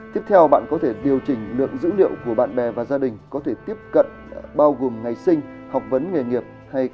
tiếp theo bạn có thể điều chỉnh lượng dữ liệu của bạn bè và gia đình có thể tiếp cận bao gồm ngày sinh học vấn nghề nghiệp